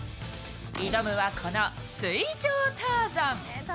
挑むは、この水上ターザン。